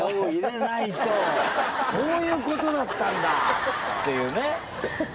こういうことだったんだ！っていうね。